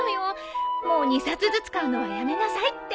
「もう２冊ずつ買うのはやめなさい」って。